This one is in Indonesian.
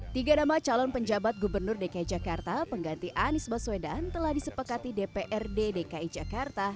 tiga nama calon penjabat gubernur dki jakarta pengganti anies baswedan telah disepakati dprd dki jakarta